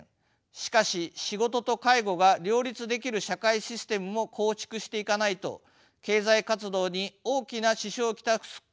しかし仕事と介護が両立できる社会システムも構築していかないと経済活動に大きな支障を来すことは明らかです。